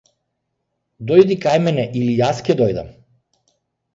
Дојди кај мене или јас ќе дојдам.